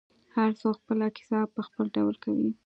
هر څوک خپله کیسه په خپل ډول کوي.